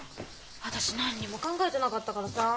私何にも考えてなかったからさ。